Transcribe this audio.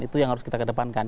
itu yang harus kita kedepankan